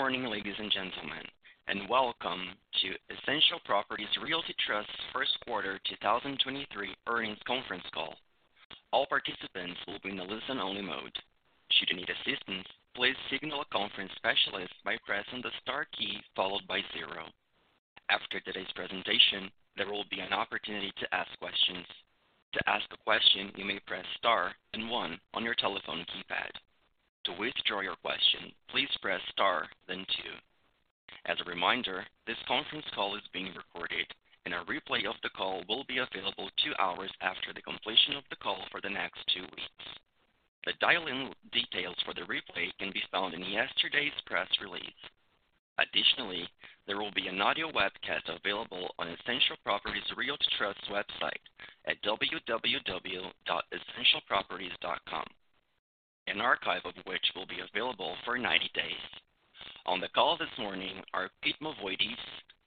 Good morning, ladies and gentlemen, and welcome to Essential Properties Realty Trust's Q1 2023 Earnings Conference Call. All participants will be in a listen-only mode. Should you need assistance, please signal a conference specialist by pressing the star key followed by zero. After today's presentation, there will be an opportunity to ask questions. To ask a question, you may press star then one on your telephone keypad. To withdraw your question, please press star then two. As a reminder, this conference call is being recorded, and a replay of the call will be available two hours after the completion of the call for the next two weeks. The dial-in details for the replay can be found in yesterday's press release. Additionally, there will be an audio webcast available on Essential Properties Realty Trust website at www.essentialproperties.com. An archive of which will be available for 90 days. On the call this morning are Pete Mavoides,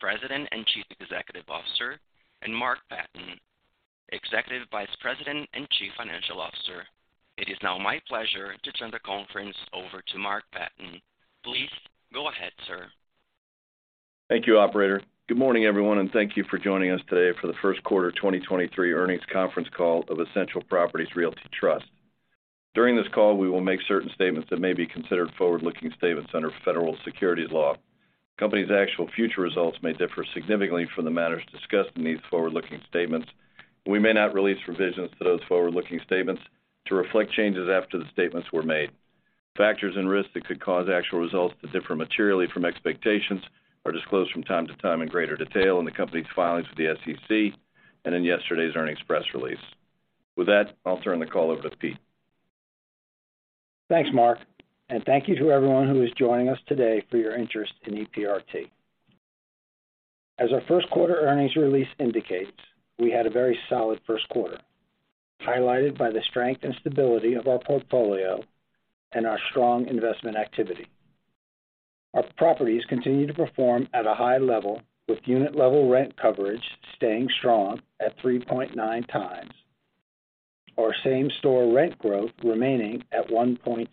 President and Chief Executive Officer, and Mark Patten, Executive Vice President and Chief Financial Officer. It is now my pleasure to turn the conference over to Mark Patten. Please go ahead, sir. Thank you, operator. Good morning, everyone, and thank you for joining us today for the Q1 of 2023 Earnings Conference Call of Essential Properties Realty Trust. During this call, we will make certain statements that may be considered forward-looking statements under federal securities law. The company's actual future results may differ significantly from the matters discussed in these forward-looking statements, and we may not release revisions to those forward-looking statements to reflect changes after the statements were made. Factors and risks that could cause actual results to differ materially from expectations are disclosed from time to time in greater detail in the company's filings with the SEC and in yesterday's earnings press release. With that, I'll turn the call over to Pete. Thanks, Mark, and thank you to everyone who is joining us today for your interest in EPRT. As our Q1 earnings release indicates, we had a very solid Q1, highlighted by the strength and stability of our portfolio and our strong investment activity. Our properties continue to perform at a high level, with unit level rent coverage staying strong at 3.9x. Our same-store rent growth remaining at 1.6%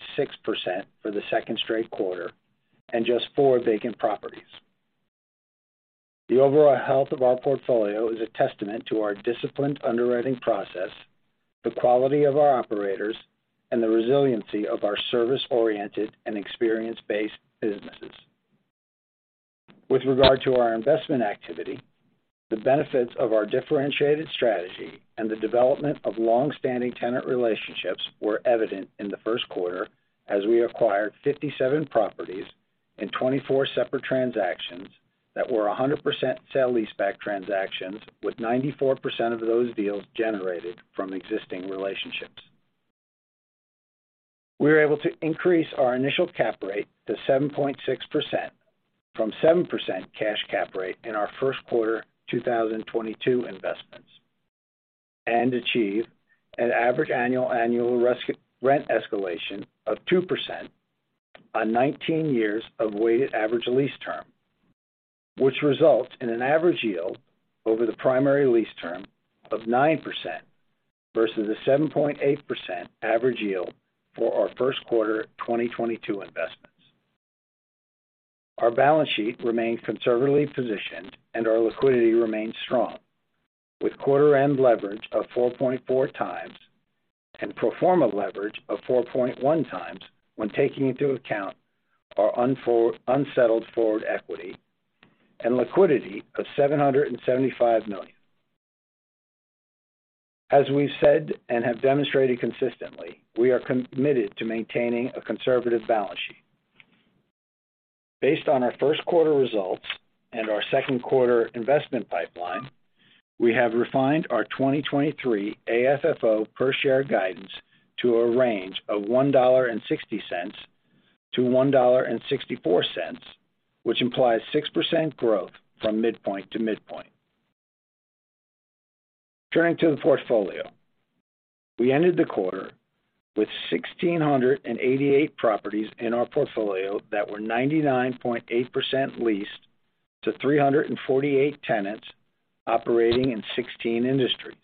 for the second straight quarter and just four vacant properties. The overall health of our portfolio is a testament to our disciplined underwriting process, the quality of our operators, and the resiliency of our service-oriented and experience-based businesses. With regard to our investment activity, the benefits of our differentiated strategy and the development of long-standing tenant relationships were evident in the Q1 as we acquired 57 properties in 24 separate transactions that were 100% sale-leaseback transactions, with 94% of those deals generated from existing relationships. We were able to increase our initial cap rate to 7.6% from 7% cash cap rate in our Q1 2022 investments, and achieve an average annual rent escalation of 2% on 19 years of weighted average lease term, which results in an average yield over the primary lease term of 9% versus the 7.8% average yield for our Q1 2022 investments. Our balance sheet remained conservatively positioned and our liquidity remains strong, with quarter end leverage of 4.4x and pro forma leverage of 4.1x when taking into account our unsettled forward equity and liquidity of $775 million. As we've said and have demonstrated consistently, we are committed to maintaining a conservative balance sheet. Based on our Q1 results and our Q2 investment pipeline, we have refined our 2023 AFFO per share guidance to a range of $1.60 to $1.64, which implies 6% growth from midpoint to midpoint. Turning to the portfolio. We ended the quarter with 1,688 properties in our portfolio that were 99.8% leased to 348 tenants operating in 16 industries.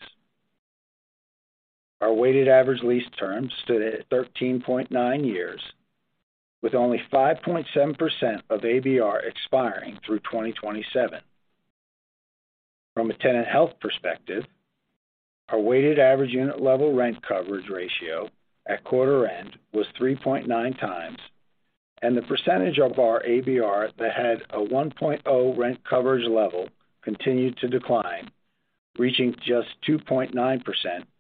Our weighted average lease term stood at 13.9 years, with only 5.7% of ABR expiring through 2027. From a tenant health perspective, our weighted average unit level rent coverage ratio at quarter end was 3.9x. The percentage of our ABR that had a 1.0 rent coverage level continued to decline, reaching just 2.9%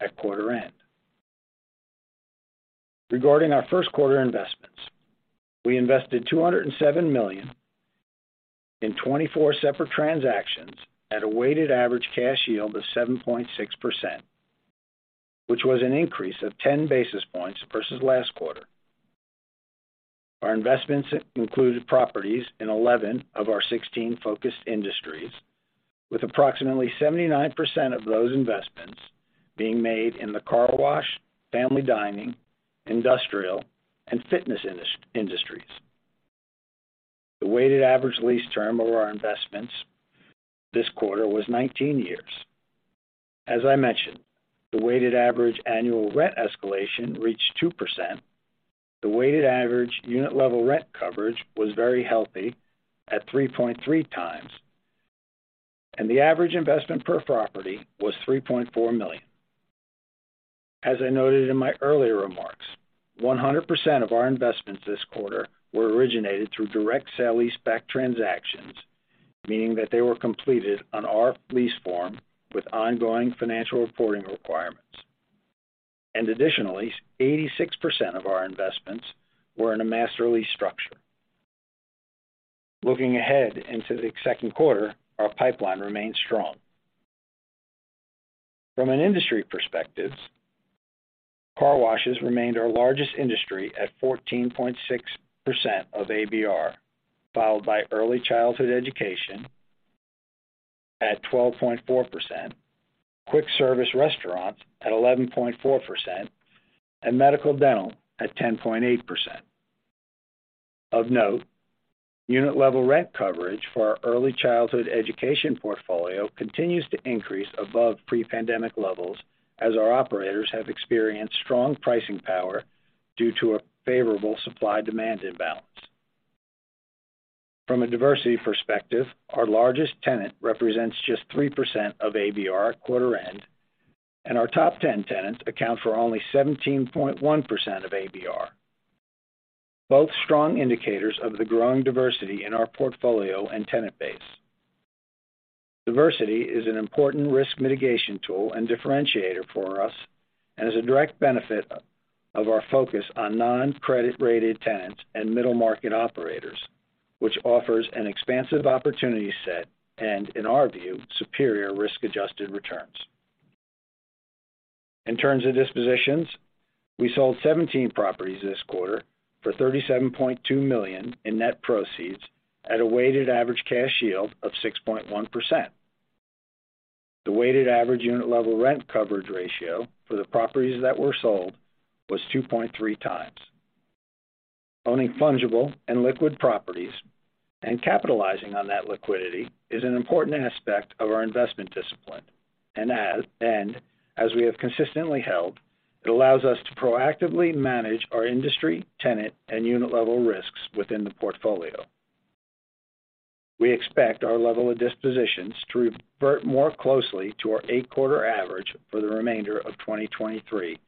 at quarter end. Regarding our Q1 investments, we invested $207 million in 24 separate transactions at a weighted average cash yield of 7.6%, which was an increase of 10 basis points versus last quarter. Our investments included properties in 11 of our 16 focused industries, with approximately 79% of those investments being made in the car wash, family dining, industrial, and fitness industries. The weighted average lease term over our investments this quarter was 19 years. As I mentioned, the weighted average annual rent escalation reached 2%. The weighted average unit level rent coverage was very healthy at 3.3x, and the average investment per property was $3.4 million. As I noted in my earlier remarks, 100% of our investments this quarter were originated through direct sale-leaseback transactions, meaning that they were completed on our lease form with ongoing financial reporting requirements. Additionally, 86% of our investments were in a master lease structure. Looking ahead into the Q2, our pipeline remains strong. From an industry perspective, car washes remained our largest industry at 14.6% of ABR, followed by early childhood education at 12.4%, Quick Service Restaurants at 11.4%, and medical dental at 10.8%. Of note, unit level rent coverage for our early childhood education portfolio continues to increase above pre-pandemic levels as our operators have experienced strong pricing power due to a favorable supply demand imbalance. From a diversity perspective, our largest tenant represents just 3% of ABR at quarter end, and our top 10 tenants account for only 17.1% of ABR. Both strong indicators of the growing diversity in our portfolio and tenant base. Diversity is an important risk mitigation tool and differentiator for us and is a direct benefit of our focus on non-credit rated tenants and middle market operators, which offers an expansive opportunity set and, in our view, superior risk adjusted returns. In terms of dispositions, we sold 17 properties this quarter for $37.2 million in net proceeds at a weighted average cash yield of 6.1%. The weighted average unit level rent coverage ratio for the properties that were sold was 2.3x. Owning fungible and liquid properties and capitalizing on that liquidity is an important aspect of our investment discipline. As we have consistently held, it allows us to proactively manage our industry, tenant, and unit level risks within the portfolio. We expect our level of dispositions to revert more closely to our eight quarter average for the remainder of 2023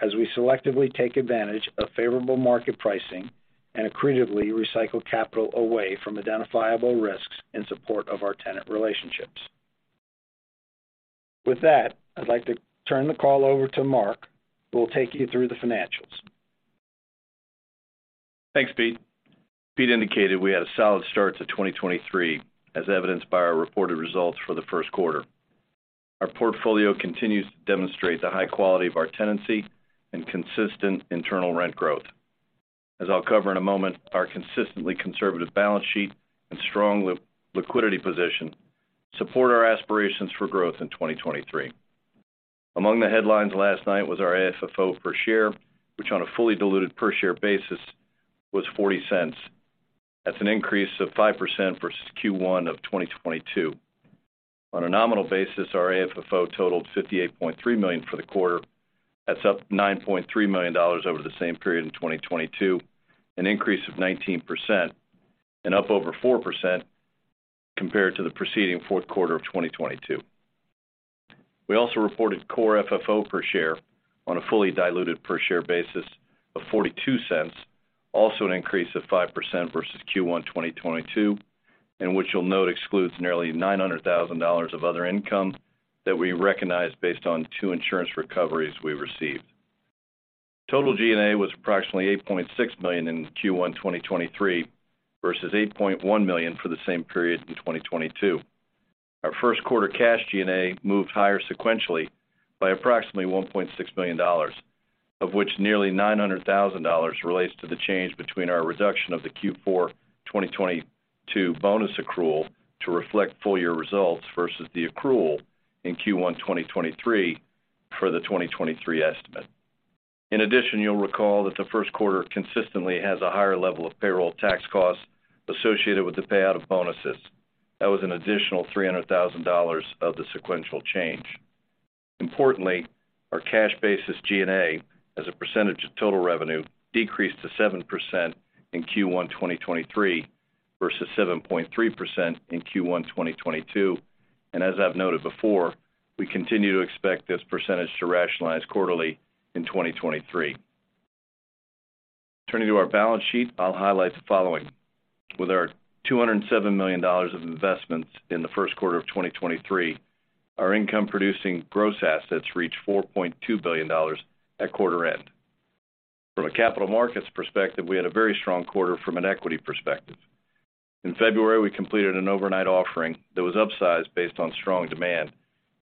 as we selectively take advantage of favorable market pricing and accretively recycle capital away from identifiable risks in support of our tenant relationships. With that, I'd like to turn the call over to Mark, who will take you through the financials. Thanks, Pete. Pete indicated we had a solid start to 2023, as evidenced by our reported results for the Q1. Our portfolio continues to demonstrate the high quality of our tenancy and consistent internal rent growth. As I'll cover in a moment, our consistently conservative balance sheet and strong liquidity position support our aspirations for growth in 2023. Among the headlines last night was our AFFO per share, which on a fully diluted per share basis was $0.40. That's an increase of 5% versus Q1 of 2022. On a nominal basis, our AFFO totaled $58.3 million for the quarter. That's up $9.3 million over the same period in 2022, an increase of 19% and up over 4% compared to the preceding Q4 of 2022. We also reported core FFO per share on a fully diluted per share basis of $0.42, also an increase of 5% versus Q1 2022, which you'll note excludes nearly $900,000 of other income that we recognized based on two insurance recoveries we received. Total G&A was approximately $8.6 million in Q1 2023 versus $8.1 million for the same period in 2022. Our Q1 cash G&A moved higher sequentially by approximately $1.6 million, of which nearly $900,000 relates to the change between our reduction of the Q4 2022 bonus accrual to reflect full year results versus the accrual in Q1 2023 for the 2023 estimate. In addition, you'll recall that the Q1 consistently has a higher level of payroll tax costs associated with the payout of bonuses. That was an additional $300,000 of the sequential change. Importantly, our cash basis G&A as a percentage of total revenue decreased to 7% in Q1 2023 versus 7.3% in Q1 2022. As I've noted before, we continue to expect this percentage to rationalize quarterly in 2023. Turning to our balance sheet, I'll highlight the following. With our $207 million of investments in the Q1 of 2023, our income producing gross assets reached $4.2 billion at quarter end. From a capital markets perspective, we had a very strong quarter from an equity perspective. In February, we completed an overnight offering that was upsized based on strong demand,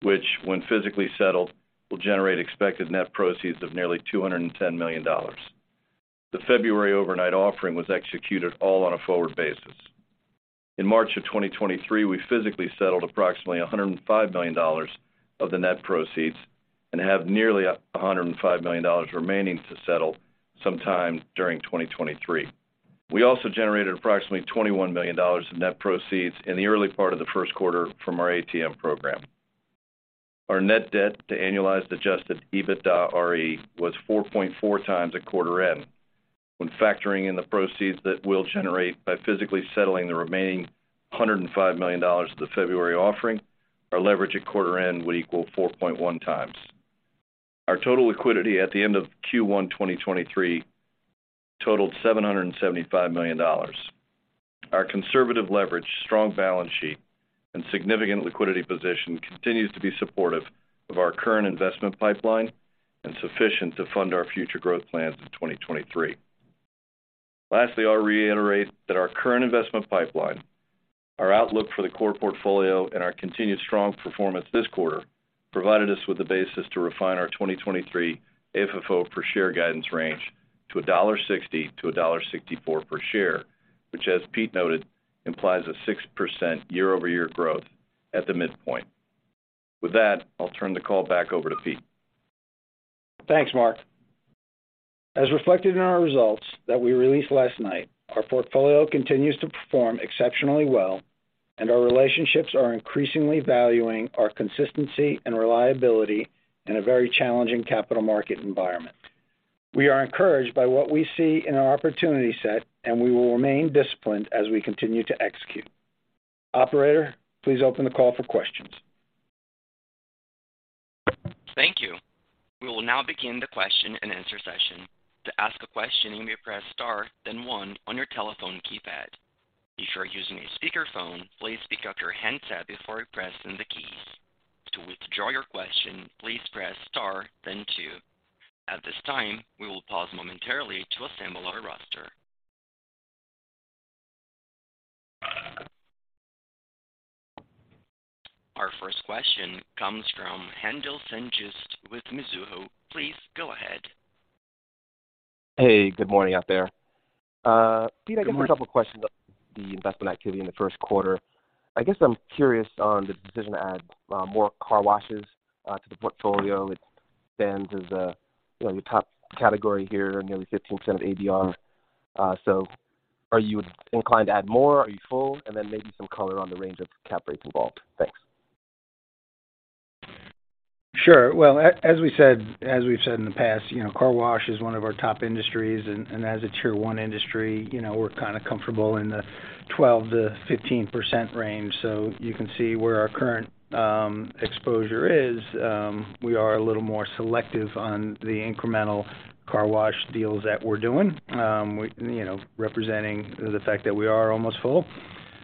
which when physically settled, will generate expected net proceeds of nearly $210 million. The February overnight offering was executed all on a forward basis. In March of 2023, we physically settled approximately $105 million of the net proceeds and have nearly $105 million remaining to settle sometime during 2023. We also generated approximately $21 million in net proceeds in the early part of the Q1 from our ATM program. Our net debt to annualized adjusted EBITDAre was 4.4x at quarter end. When factoring in the proceeds that we'll generate by physically settling the remaining $105 million of the February offering, our leverage at quarter end would equal 4.1 times. Our total liquidity at the end of Q1, 2023 totaled $775 million. Our conservative leverage, strong balance sheet, and significant liquidity position continues to be supportive of our current investment pipeline and sufficient to fund our future growth plans in 2023. I'll reiterate that our current investment pipeline, our outlook for the core portfolio, and our continued strong performance this quarter provided us with the basis to refine our 2023 AFFO per share guidance range to $1.60 to $1.64 per share, which, as Pete noted, implies a 6% year-over-year growth at the midpoint. With that, I'll turn the call back over to Pete. Thanks, Mark. As reflected in our results that we released last night, our portfolio continues to perform exceptionally well, and our relationships are increasingly valuing our consistency and reliability in a very challenging capital market environment. We are encouraged by what we see in our opportunity set, and we will remain disciplined as we continue to execute. Operator, please open the call for questions. Thank you. We will now begin the question-and-answer session. To ask a question, you may press Star, then one on your telephone keypad. If you are using a speakerphone, please pick up your handset before pressing the keys. To withdraw your question, please press Star then two. At this time, we will pause momentarily to assemble our roster. Our first question comes from Haendel St. Juste with Mizuho. Please go ahead. Hey, good morning out there. Pete, I guess a couple questions about the investment activity in the Q1. I guess I'm curious on the decision to add more car washes to the portfolio. It stands as your top category here, nearly 15% of ABR. Are you inclined to add more? Are you full? Then maybe some color on the range of cap rates involved. Thanks. Sure. Well, as we've said in the past, you know, car wash is one of our top industries, and as a tier one industry, you know, we're kind of comfortable in the 12% to 15% range. You can see where our current exposure is. We are a little more selective on the incremental car wash deals that we're doing. You know, representing the fact that we are almost full.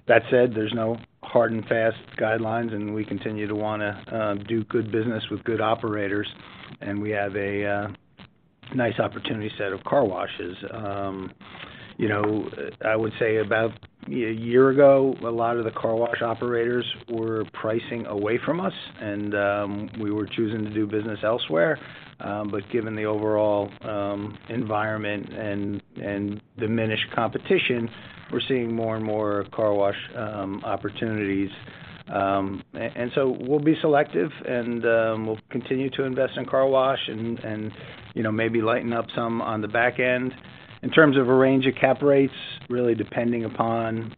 That said, there's no hard and fast guidelines, and we continue to wanna do good business with good operators, and we have a nice opportunity set of car washes. You know, I would say about a year ago, a lot of the car wash operators were pricing away from us, and we were choosing to do business elsewhere. Given the overall environment and diminished competition, we're seeing more and more car wash opportunities. We'll be selective and we'll continue to invest in car wash and, you know, maybe lighten up some on the back end. In terms of a range of cap rates, really depending upon,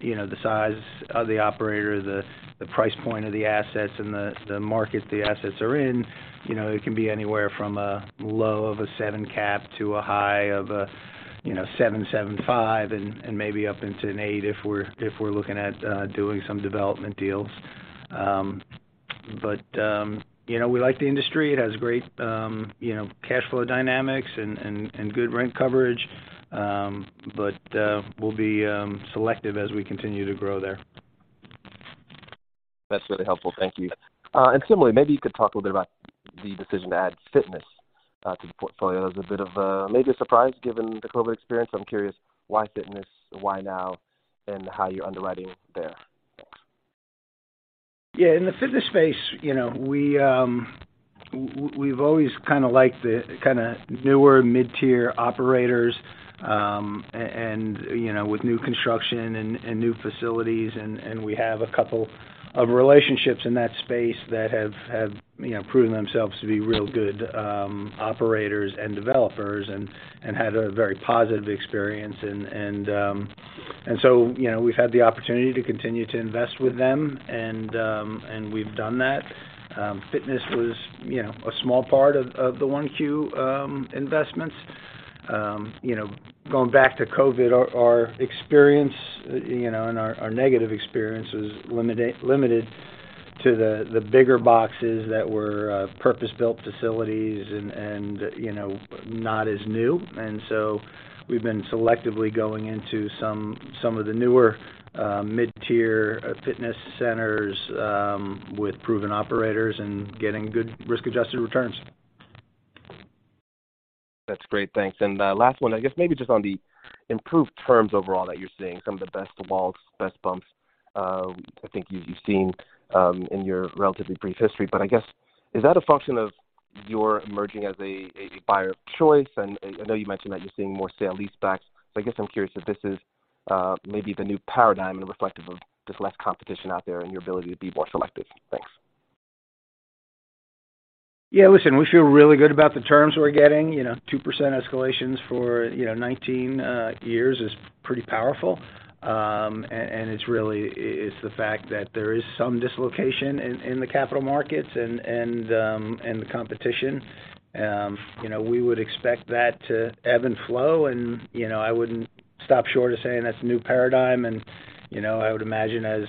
you know, the size of the operator, the price point of the assets and the market the assets are in. You know, it can be anywhere from a low of a seven cap to a high of 7.75 and maybe up into an eight if we're looking at doing some development deals. We like the industry. It has great, you know, cash flow dynamics and good rent coverage. We'll be selective as we continue to grow there. That's really helpful. Thank you. Similarly, maybe you could talk a little bit about the decision to add fitness to the portfolio. It was a bit of, maybe a surprise given the COVID experience. I'm curious why fitness, why now, and how you're underwriting there. Thanks. Yeah, in the fitness space, you know, we've always kind of liked the kind of newer mid-tier operators, and, you know, with new construction and new facilities. We have a couple of relationships in that space that have, you know, proven themselves to be real good operators and developers and had a very positive experience. So, you know, we've had the opportunity to continue to invest with them, and we've done that. Fitness was, you know, a small part of the 1Q investments. You know, going back to COVID, our experience, you know, and our negative experience was limited to the bigger boxes that were purpose-built facilities and, you know, not as new. We've been selectively going into some of the newer, mid-tier fitness centers, with proven operators and getting good risk-adjusted returns. That's great. Thanks. Last one, I guess maybe just on the improved terms overall that you're seeing some of the best of bulks, best bumps, I think you've seen in your relatively brief history, but I guess, is that a function of your emerging as a buyer of choice? I know you mentioned that you're seeing more sale-leasebacks, but I guess I'm curious if this is maybe the new paradigm and reflective of just less competition out there and your ability to be more selective. Thanks. Yeah, listen, we feel really good about the terms we're getting. You know, 2% escalations for, you know, 19 years is pretty powerful. It's really, it's the fact that there is some dislocation in the capital markets and the competition. You know, we would expect that to ebb and flow and, you know, I wouldn't stop short of saying that's a new paradigm. You know, I would imagine as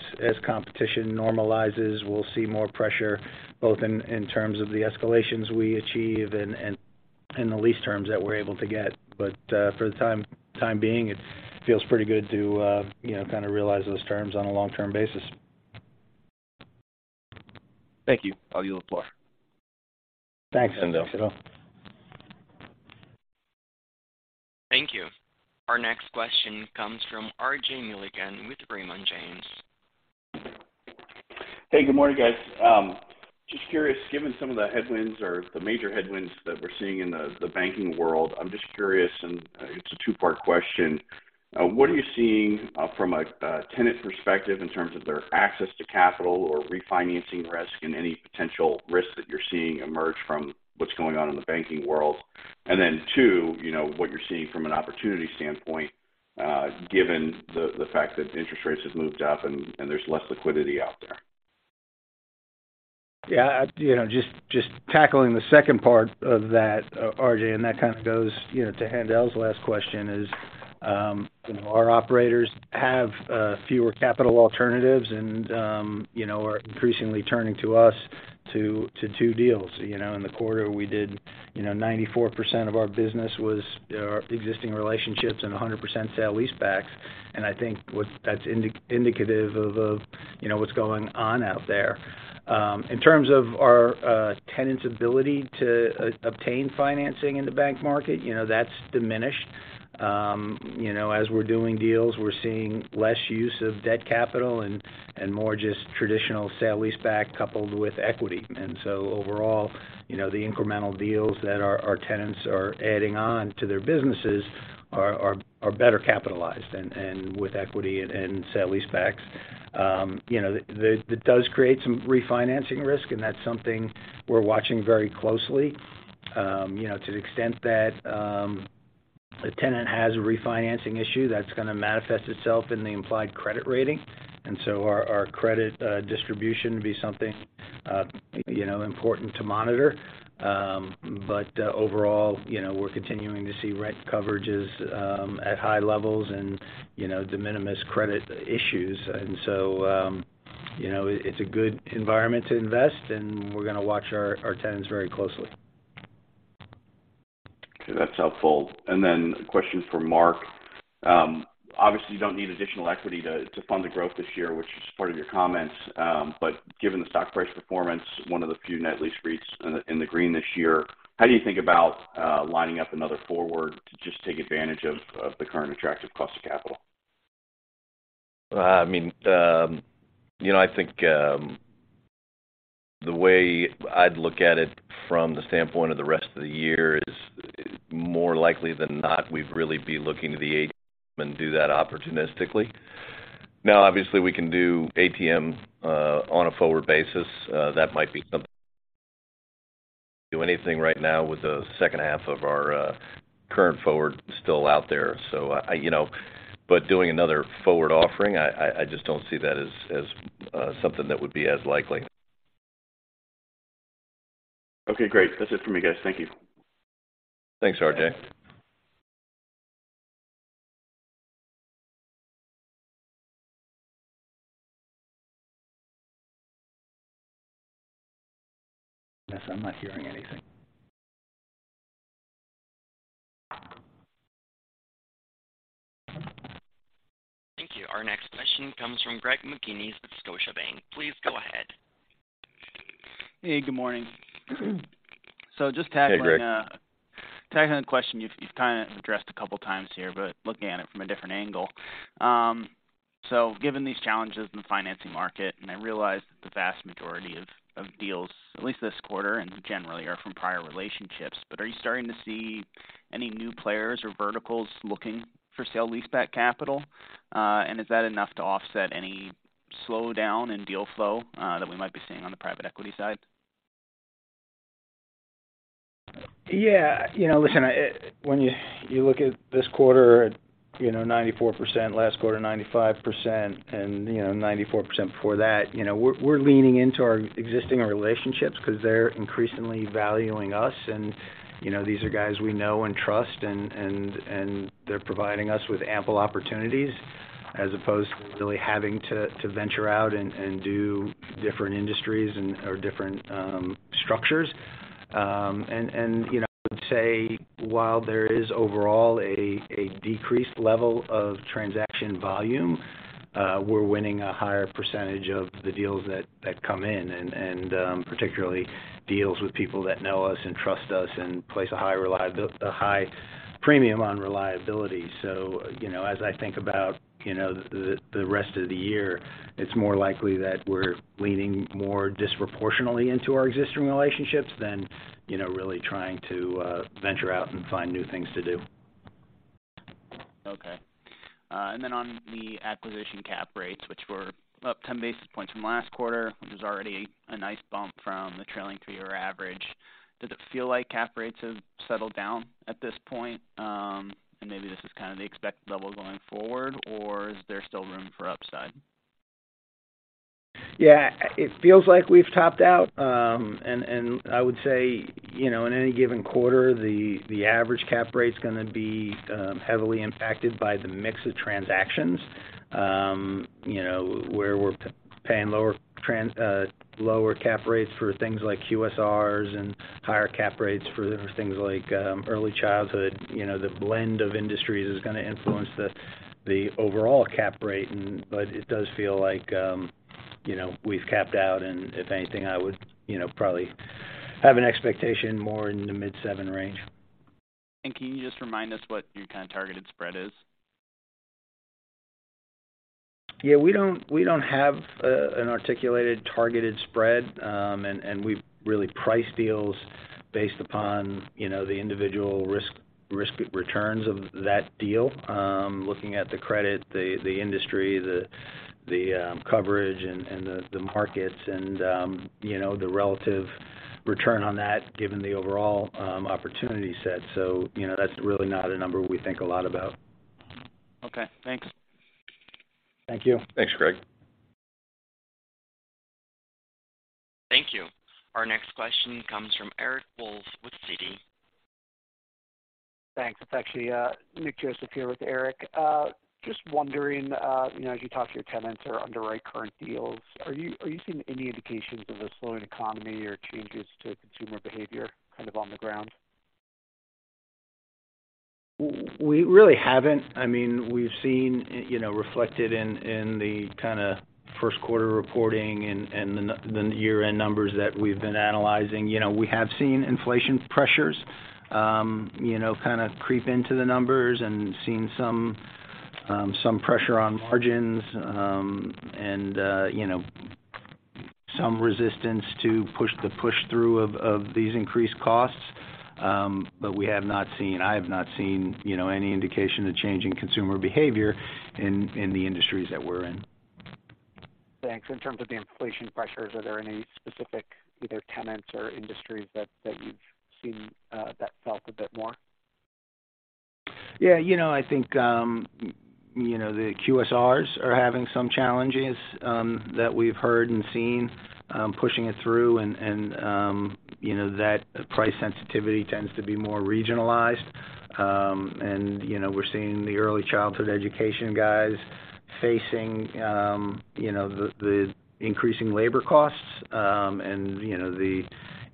competition normalizes, we'll see more pressure both in terms of the escalations we achieve and, and the lease terms that we're able to get. For the time being, it feels pretty good to, you know, kind of realize those terms on a long-term basis. Thank you. I'll yield the floor. Thanks, Haendel. Thanks. Thank you. Our next question comes from RJ Milligan with Raymond James. Hey, good morning, guys. Just curious, given some of the headwinds or the major headwinds that we're seeing in the banking world, I'm just curious, and it's a two-part question. What are you seeing from a tenant perspective in terms of their access to capital or refinancing risk and any potential risks that you're seeing emerge from what's going on in the banking world? Two, you know, what you're seeing from an opportunity standpoint, given the fact that interest rates have moved up and there's less liquidity out there? Yeah, you know, just tackling the second part of that, RJ, and that kind of goes, you know, to Haendel's last question is, you know, our operators have fewer capital alternatives and, you know, are increasingly turning to us to do deals. You know, in the quarter, we did, 94% of our business was existing relationships and 100% sale-leasebacks. I think what that's indicative of, you know, what's going on out there. In terms of our tenants' ability to obtain financing in the bank market, that's diminished. As we're doing deals, we're seeing less use of debt capital and more just traditional sale-leaseback coupled with equity. Overall, you know, the incremental deals that our tenants are adding on to their businesses are better capitalized and with equity and sale-leasebacks. You know, that does create some refinancing risk, and that's something we're watching very closely. You know, to the extent that a tenant has a refinancing issue, that's gonna manifest itself in the implied credit rating. Our credit distribution would be something, you know, important to monitor. But overall, you know, we're continuing to see rent coverages at high levels and, you know, de minimis credit issues. It's a good environment to invest, and we're gonna watch our tenants very closely. Okay, that's helpful. A question for Mark. obviously, you don't need additional equity to fund the growth this year, which is part of your comments. Given the stock price performance, one of the few net lease REITs in the green this year, how do you think about lining up another forward to just take advantage of the current attractive cost of capital? I mean, you know, I think, the way I'd look at it from the standpoint of the rest of the year is more likely than not, we'd really be looking to the ATM and do that opportunistically. Obviously, we can do ATM on a forward basis. That might be something. Do anything right now with the second half of our current forward still out there. You know. Doing another forward offering, I just don't see that as something that would be as likely. Okay, great. That's it for me, guys. Thank you. Thanks, RJ. Yes, I'm not hearing anything. Thank you. Our next question comes from Greg McGinniss with Scotiabank. Please go ahead. Good morning. Hey, Greg. Just tackling a question you've kind of addressed a couple times here, but looking at it from a different angle. Given these challenges in the financing market, and I realize that the vast majority of deals, at least this quarter and generally, are from prior relationships, but are you starting to see any new players or verticals looking for sale-leaseback capital? Is that enough to offset any slowdown in deal flow that we might be seeing on the private equity side? Yeah. You know, listen, when you look at this quarter, you know, 94%, last quarter 95% and, you know, 94% before that, you know, we're leaning into our existing relationships because they're increasingly valuing us. You know, these are guys we know and trust and they're providing us with ample opportunities as opposed to really having to venture out and do different industries and/or different structures. You know, I would say while there is overall a decreased level of transaction volume, we're winning a higher percentage of the deals that come in and, particularly deals with people that know us and trust us and place a high premium on reliability. you know, as I think about, you know, the rest of the year, it's more likely that we're leaning more disproportionately into our existing relationships than, you know, really trying to venture out and find new things to do. Okay. on the acquisition cap rates, which were up 10 basis points from last quarter, which is already a nice bump from the trailing three-year average. Does it feel like cap rates have settled down at this point? maybe this is kind of the expected level going forward, or is there still room for upside? Yeah. It feels like we've topped out. I would say, you know, in any given quarter, the average cap rate's gonna be heavily impacted by the mix of transactions. You know, where we're paying lower cap rates for things like QSRs and higher cap rates for things like early childhood. You know, the blend of industries is gonna influence the overall cap rate. It does feel like, you know, we've capped out and if anything, I would, you know, probably have an expectation more in the mid seven range. Can you just remind us what your targeted spread is? Yeah. We don't have an articulated targeted spread. We really price deals based upon, you know, the individual risk returns of that deal, looking at the credit, the industry, the coverage and the markets and, you know, the relative return on that given the overall opportunity set. You know, that's really not a number we think a lot about. Okay. Thanks. Thank you. Thanks, Greg. Thank you. Our next question comes from Eric Wolfe with Citi. Thanks. It's actually, Nick Joseph here with Eric. Just wondering, you know, as you talk to your tenants or underwrite current deals, are you seeing any indications of a slowing economy or changes to consumer behavior kind of on the ground? We really haven't. I mean, we've seen, you know, reflected in the Q1 reporting and the year-end numbers that we've been analyzing. You know, we have seen inflation pressures, you know, kind of creep into the numbers and seen some pressure on margins, and, you know, some resistance to the push-through of these increased costs. I have not seen, you know, any indication of changing consumer behavior in the industries that we're in. Thanks. In terms of the inflation pressures, are there any specific either tenants or industries that you've seen that felt a bit more? Yeah. You know, I think, you know, the QSRs are having some challenges that we've heard and seen, pushing it through and, you know, that price sensitivity tends to be more regionalized. You know, we're seeing the early childhood education guys facing, you know, the increasing labor costs, and, you know, the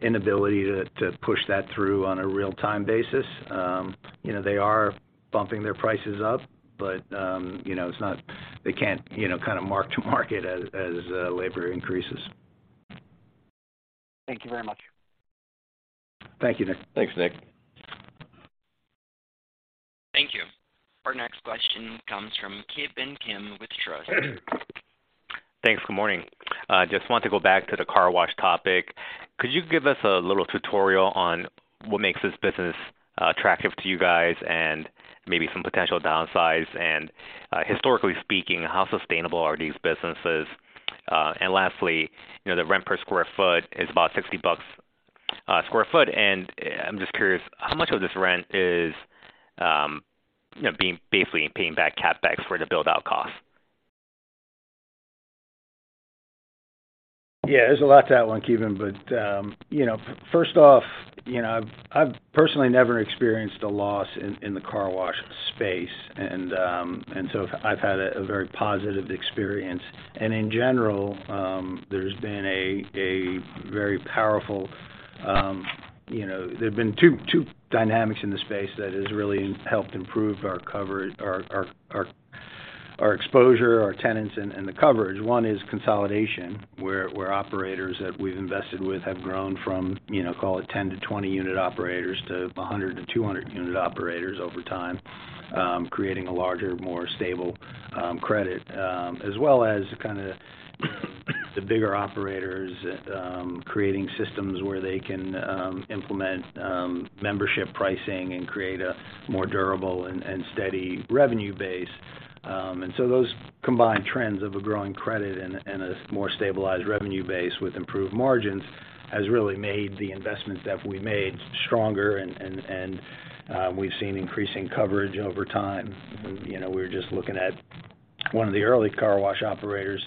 inability to push that through on a real-time basis. You know, they are bumping their prices up, but, you know, it's not they can't, you know, kind of mark to market as labor increases. Thank you very much. Thank you, Nick. Thanks, Nick. Thank you. Our next question comes from Ki Bin Kim with Truist. Thanks. Good morning. Just want to go back to the car wash topic. Could you give us a little tutorial on what makes this business attractive to you guys and maybe some potential downsides? Historically speaking, how sustainable are these businesses? Lastly, you know, the rent per square foot is about $60 sq ft, and I'm just curious how much of this rent is, you know, being basically paying back CapEx for the build-out cost? Yeah. There's a lot to that one, Ki, you know, first off, you know, I've personally never experienced a loss in the car wash space. I've had a very positive experience. In general, there's been a very powerful, you know, there's been two dynamics in the space that has really helped improve our coverage, our exposure, our tenants and the coverage. One is consolidation, where operators that we've invested with have grown from, you know, call it 10 to 20 unit operators to 100 to 200 unit operators over time, creating a larger, more stable credit, as well as kind of, you know, the bigger operators, creating systems where they can implement membership pricing and create a more durable and steady revenue base. Those combined trends of a growing credit and a more stabilized revenue base with improved margins has really made the investments that we made stronger and we've seen increasing coverage over time. You know, we're just looking at one of the early car wash operators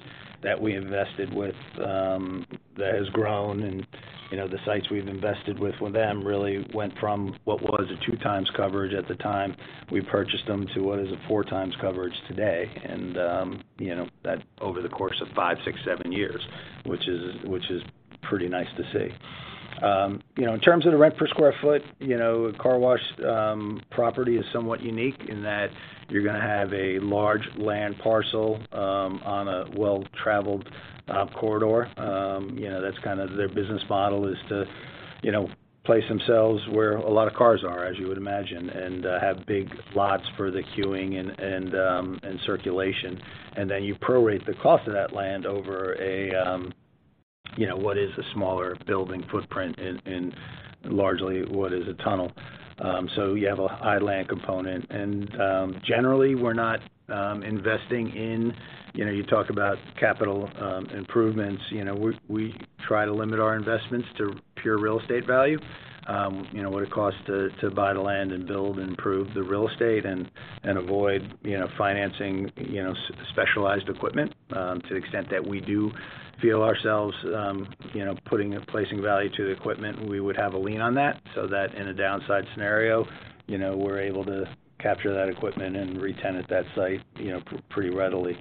that we invested with that has grown. You know, the sites we've invested with them really went from what was a two times coverage at the time we purchased them to what is a four times coverage today. You know, that over the course of five/six/seven years, which is pretty nice to see. You know, in terms of the rent per square foot, you know, car wash property is somewhat unique in that you're gonna have a large land parcel on a well-traveled corridor. You know, that's kind of their business model is to, you know, place themselves where a lot of cars are, as you would imagine, and have big lots for the queuing and circulation. You know, you prorate the cost of that land over a, what is a smaller building footprint and largely what is a tunnel. You have a high land component and generally we're not investing in. You know, you talk about capital improvements. You know, we try to limit our investments to pure real estate value, you know, what it costs to buy the land and build and improve the real estate and avoid, you know, financing, you know, specialized equipment. To the extent that we do feel ourselves, putting or placing value to the equipment, we would have a lien on that, so that in a downside scenario, we're able to capture that equipment and re-tenant that site, pretty readily.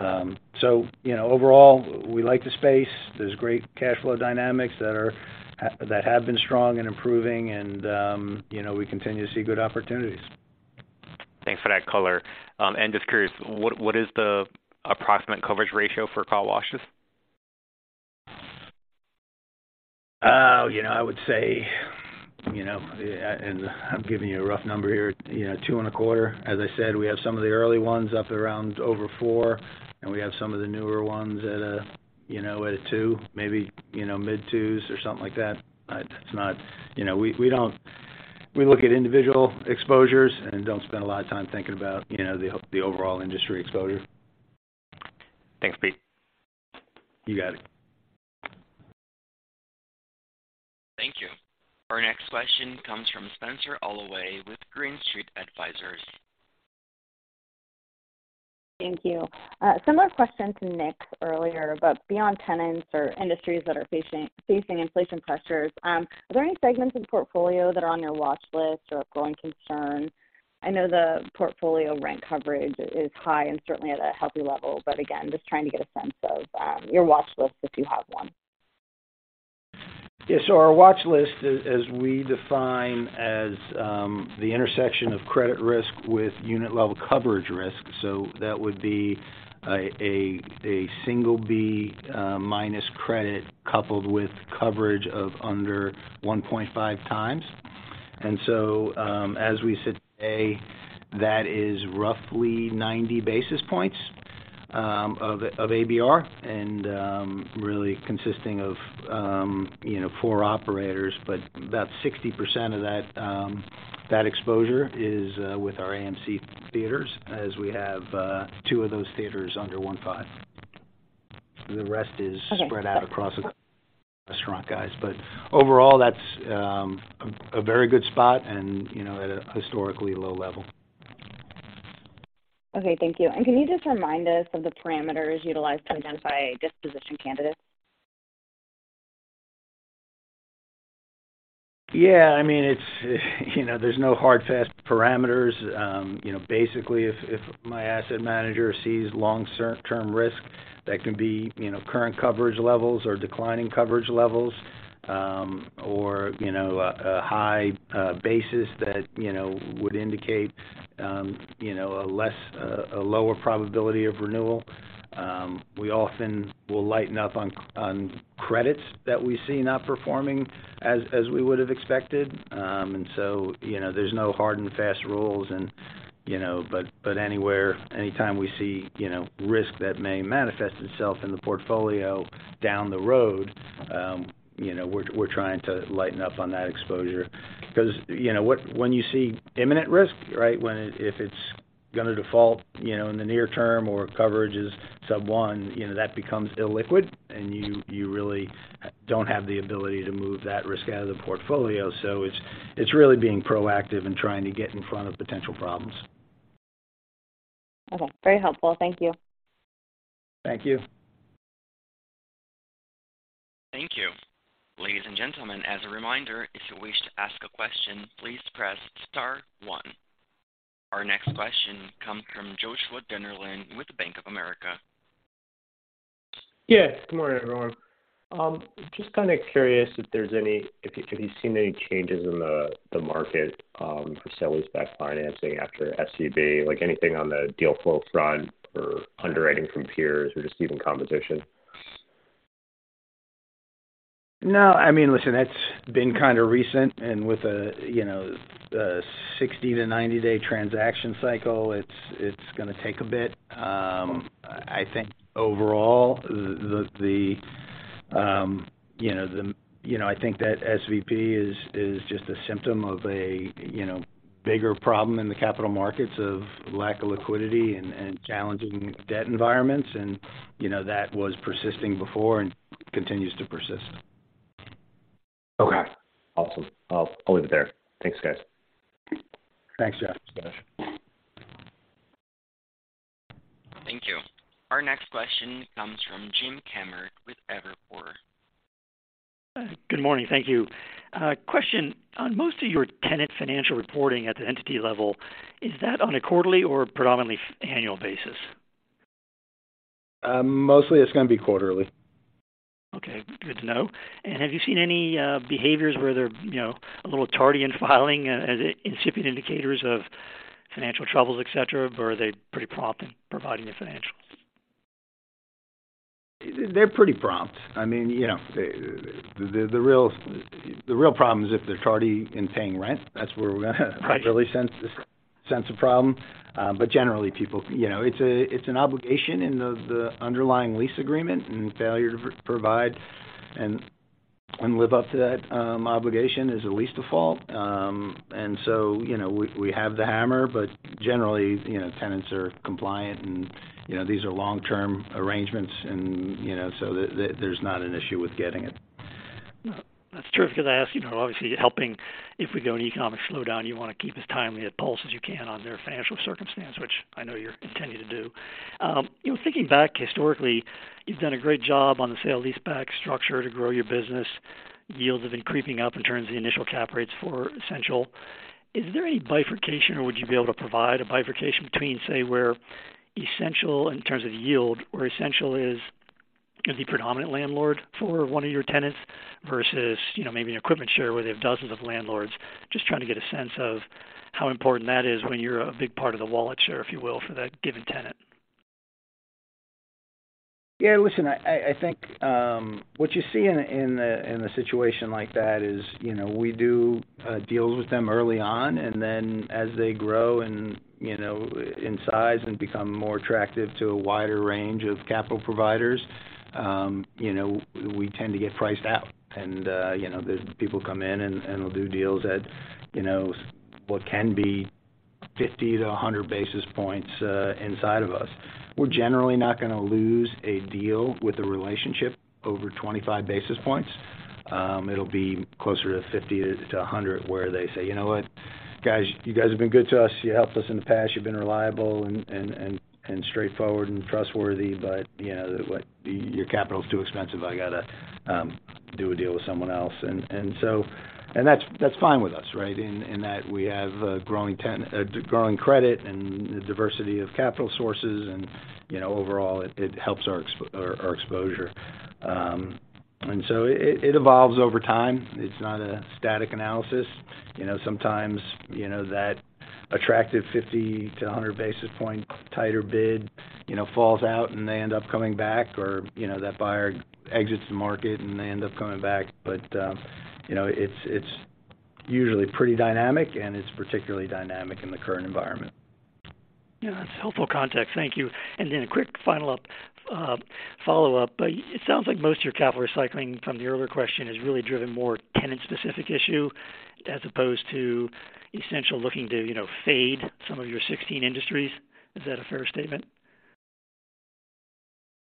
Overall, we like the space. There's great cash flow dynamics that have been strong and improving. We continue to see good opportunities. Thanks for that color. Just curious, what is the approximate coverage ratio for car washes? You know, I would say, you know, I'm giving you a rough number here. You know, 2.25%. As I said, we have some of the early ones up around over 4%, and we have some of the newer ones at a, you know, at a 2%, maybe, you know, mid-2s or something like that. You know, we look at individual exposures and don't spend a lot of time thinking about, you know, the overall industry exposure. Thanks, Pete. You got it. Thank you. Our next question comes from Spenser Allaway with Green Street Advisors. Thank you. Similar question to Nick earlier, but beyond tenants or industries that are facing inflation pressures, are there any segments of the portfolio that are on your watch list or growing concern? I know the portfolio rent coverage is high and certainly at a healthy level, but again, just trying to get a sense of, your watch list, if you have one. Yeah. Our watch list as we define as the intersection of credit risk with unit-level coverage risk, that would be a single B- credit coupled with coverage of under 1.5x. As we sit today, that is roughly 90 basis points of ABR and really consisting of, you know, four operators, but about 60% of that exposure is with our AMC Theatres as we have two of those theaters under 1.5. The rest is-Spread out across restaurant guys. Overall, that's, a very good spot and, you know, at a historically low level. Okay, thank you. Can you just remind us of the parameters utilized to identify disposition candidates? Yeah, I mean, it's, you know, there's no hard, fast parameters. You know, basically, if my asset manager sees long-term risk, that can be, you know, current coverage levels or declining coverage levels, or, you know, a high basis that, you know, would indicate, you know, a less, a lower probability of renewal, we often will lighten up on credits that we see not performing as we would have expected. You know, there's no hard and fast rules and, you know, but anywhere, anytime we see, you know, risk that may manifest itself in the portfolio down the road, you know, we're trying to lighten up on that exposure. Because, you know, when you see imminent risk, right? If it's gonna default, you know, in the near term or coverage is sub one, you know, that becomes illiquid, and you really don't have the ability to move that risk out of the portfolio. It's, it's really being proactive and trying to get in front of potential problems. Okay. Very helpful. Thank you. Thank you. Thank you. Ladies and gentlemen, as a reminder, if you wish to ask a question, please press star one. Our next question comes from Joshua Dennerlein with Bank of America. Yes, good morning, everyone. Just kind of curious if there's any changes in the market for sellers back financing after SVB? Like anything on the deal flow front or underwriting from peers or just even composition? No. I mean, listen, that's been kind of recent and with a, you know, a 60 to 90-day transaction cycle, it's gonna take a bit. I think overall the, you know, I think that SVB is just a symptom of a, you know, bigger problem in the capital markets of lack of liquidity and challenging debt environments. You know, that was persisting before and continues to persist. Okay. Awesome. I'll leave it there. Thanks, guys. Thanks, Josh. Thank you. Our next question comes from Jim Kammert with Evercore. Good morning. Thank you. Question, on most of your tenant financial reporting at the entity level, is that on a quarterly or predominantly annual basis? Mostly it's gonna be quarterly. Okay, good to know. Have you seen any behaviors where they're, you know, a little tardy in filing as incipient indicators of financial troubles, et cetera, or are they pretty prompt in providing the financials? They're pretty prompt. I mean, you know, the real, the real problem is if they're tardy in paying rent, that's where we're gonna really sense a problem. Generally people, you know, it's an obligation in the underlying lease agreement, and failure to provide and live up to that obligation is a lease default. You know, we have the hammer, but generally, you know, tenants are compliant and, you know, these are long-term arrangements and, you know, there's not an issue with getting it. No. That's true because I ask, you know, obviously helping if we go into economic slowdown, you wanna keep as timely a pulse as you can on their financial circumstance, which I know you're-- continue to do. You know, thinking back historically, you've done a great job on the sale-leaseback structure to grow your business. Yields have been creeping up in terms of the initial cap rates for Essential. Is there any bifurcation or would you be able to provide a bifurcation between, say, where Essential in terms of yield, where Essential is gonna be predominant landlord for one of your tenants versus, you know, maybe an EquipmentShare where they have dozens of landlords? Just trying to get a sense of how important that is when you're a big part of the wallet share, if you will, for that given tenant. Yeah. Listen, I think what you see in a situation like that is, you know, we do deals with them early on and then as they grow and, you know, in size and become more attractive to a wider range of capital providers, you know, we tend to get priced out. You know, the people come in and will do deals at, you know, what can be 50 to 100 basis points inside of us. We're generally not gonna lose a deal with a relationship over 25 basis points. It'll be closer to 50 to 100 where they say, "You know what? Guys, you guys have been good to us. You helped us in the past. You've been reliable and straightforward and trustworthy, but, you know, what your capital is too expensive. I gotta do a deal with someone else." That's fine with us, right? In that we have a growing credit and diversity of capital sources and, you know, overall it helps our exposure. It evolves over time. It's not a static analysis. You know, sometimes, you know, that attractive 50 to 100 basis point tighter bid, you know, falls out and they end up coming back or, you know, that buyer exits the market and they end up coming back. You know, it's usually pretty dynamic and it's particularly dynamic in the current environment. Yeah. That's helpful context. Thank you. A quick final follow-up. It sounds like most of your capital recycling from the earlier question is really driven more tenant-specific issue as opposed to Essential looking to, you know, fade some of your 16 industries. Is that a fair statement?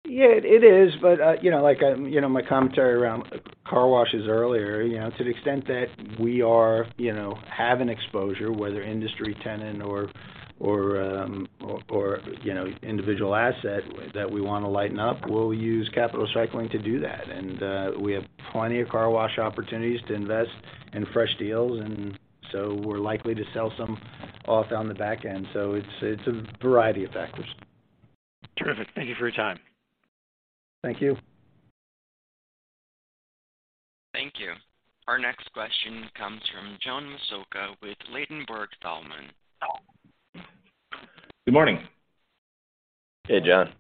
Yeah, it is. You know, like, you know, my commentary around car washes earlier, you know, to the extent that we are, you know, have an exposure, whether industry tenant or, you know, individual asset that we wanna lighten up, we'll use capital cycling to do that. We have plenty of car wash opportunities to invest in fresh deals, and so we're likely to sell some off on the back end. It's a variety of factors. Terrific. Thank you for your time. Thank you. Thank you. Our next question comes from John Massocca with Ladenburg Thalmann. Good morning. Hey, John.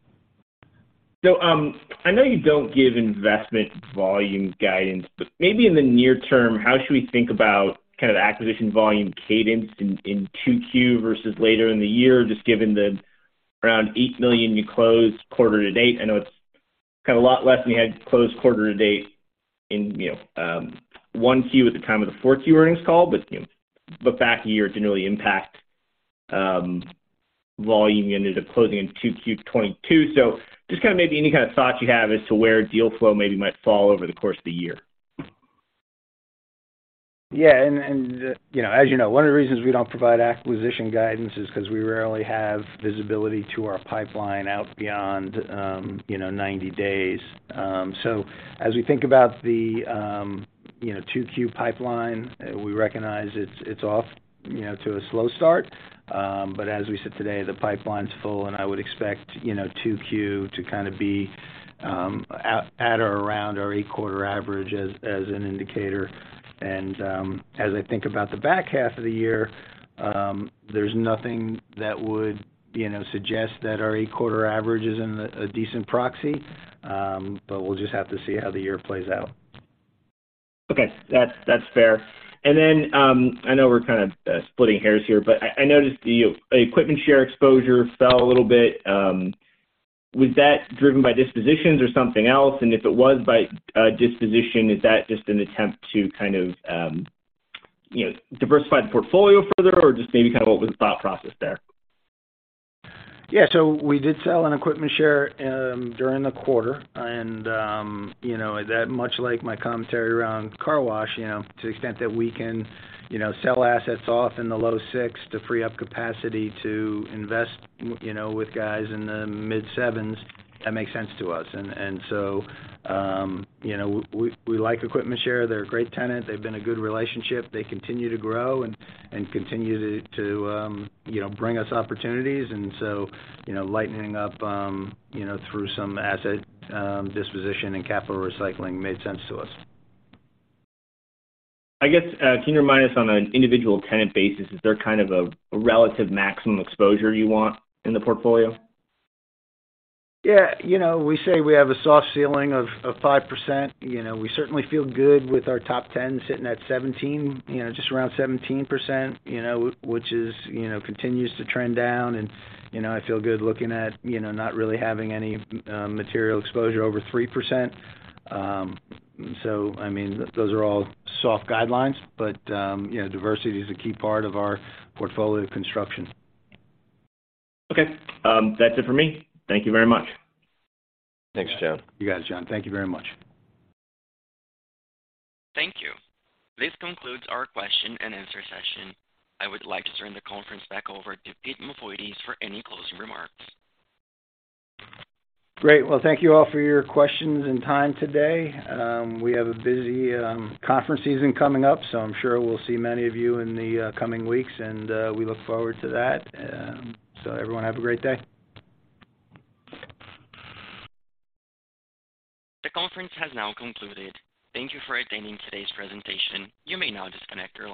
I know you don't give investment volume guidance, but maybe in the near term, how should we think about kind of the acquisition volume cadence in 2Q versus later in the year, just given the around $8 million you closed quarter to date? I know it's kind of a lot less than you had closed quarter to date in, you know, 1Q at the time of the 4Q earnings call. You know, look back a year, it didn't really impact, volume you ended up closing in 2Q 2022. Just kinda maybe any kind of thoughts you have as to where deal flow maybe might fall over the course of the year? Yeah. And, you know, as you know, one of the reasons we don't provide acquisition guidance is 'cause we rarely have visibility to our pipeline out beyond, you know, 90 days. As we think about the, you know, 2Q pipeline, we recognize it's off, you know, to a slow start. But as we said today, the pipeline's full and I would expect, you know, 2Q to kind of be at or around our 8-quarter average as an indicator. As I think about the back half of the year, there's nothing that would, you know, suggest that our 8-quarter average isn't a decent proxy. But we'll just have to see how the year plays out. Okay. That's fair. Then, I know we're kind of splitting hairs here, but I noticed the EquipmentShare exposure fell a little bit. Was that driven by dispositions or something else? If it was by disposition, is that just an attempt to kind of, you know, diversify the portfolio further, or just maybe kind of what was the thought process there? We did sell an EquipmentShare, during the quarter. That much like my commentary around car wash, you know, to the extent that we can, you know, sell assets off in the low 6% to free up capacity to invest, you know, with guys in the mid 7%, that makes sense to us. We like EquipmentShare. They're a great tenant. They've been a good relationship. They continue to grow and, continue to, you know, bring us opportunities. Lightening up, you know, through some asset, disposition and capital recycling made sense to us. I guess, can you remind us on an individual tenant basis if they're kind of a relative maximum exposure you want in the portfolio? Yeah. You know, we say we have a soft ceiling of 5%. You know, we certainly feel good with our top 10 sitting at 17%, you know, just around 17%, you know, which is, you know, continues to trend down. You know, I feel good looking at, you know, not really having any material exposure over 3%. I mean, those are all soft guidelines, but, you know, diversity is a key part of our portfolio construction. That's it for me. Thank you very much. Thanks, John. You got it, John. Thank you very much. Thank you. This concludes our question and answer session. I would like to turn the conference back over to Pete Mavoides for any closing remarks. Great. Well, thank you all for your questions and time today. We have a busy conference season coming up, so I'm sure we'll see many of you in the coming weeks, and we look forward to that. Everyone, have a great day. The conference has now concluded. Thank you for attending today's presentation. You may now disconnect.